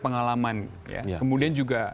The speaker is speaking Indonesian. pengalaman kemudian juga